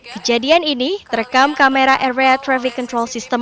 kejadian ini terekam kamera area traffic control system